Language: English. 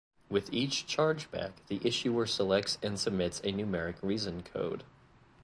With each chargeback the issuer selects and submits a numeric reason code.